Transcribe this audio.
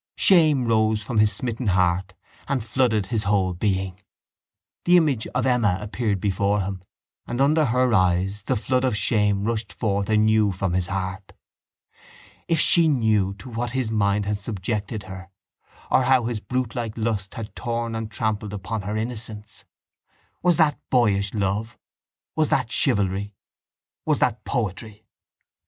Shame rose from his smitten heart and flooded his whole being. The image of Emma appeared before him, and under her eyes the flood of shame rushed forth anew from his heart. If she knew to what his mind had subjected her or how his brutelike lust had torn and trampled upon her innocence! Was that boyish love? Was that chivalry? Was that poetry?